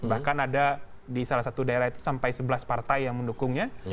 bahkan ada di salah satu daerah itu sampai sebelas partai yang mendukungnya